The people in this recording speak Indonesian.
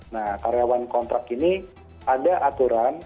nah karyawan kontrak ini ada aturan